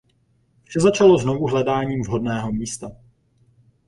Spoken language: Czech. Vše začalo znovu hledáním vhodného místa.